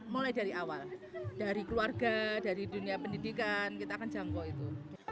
mulai dari awal dari keluarga dari dunia pendidikan kita akan jangkau itu